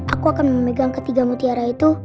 aku akan memegang ketiga mutiara itu